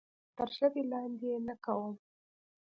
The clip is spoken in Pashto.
تر ژبه لاندې یې نه کوم.